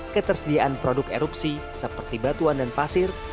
ketersediaan produk erupsi seperti batuan dan pasir